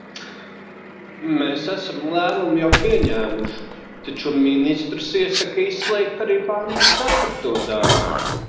Mēs esam lēmumu jau pieņēmuši, taču ministrs iesaka izslēgt arī panta ceturto daļu.